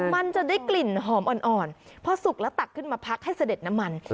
มันจะได้กลิ่นหอมอ่อนพอสุกแล้วตักขึ้นมาพักให้เสด็จน้ำมัน